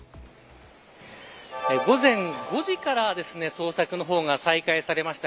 午前５時から捜索の方が再開されました。